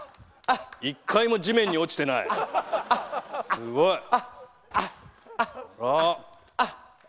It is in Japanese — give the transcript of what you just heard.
１回も地面に落ちてない。